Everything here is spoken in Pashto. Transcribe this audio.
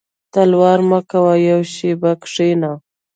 •تلوار مه کوه یو شېبه کښېنه.